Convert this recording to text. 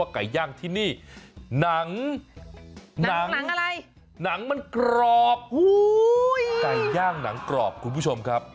กาย่างหนังกรอบคุณผู้ชมครับ